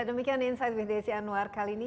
demikian insight with desi anwar kali ini